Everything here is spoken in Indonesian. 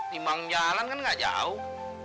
di bangun jalan kan gak jauh